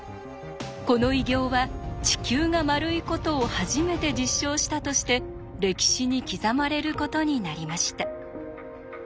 この偉業は地球が丸いことを初めて実証したとして歴史に刻まれることになりました。